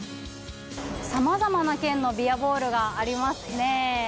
さまざまな県のビアボールがありますね。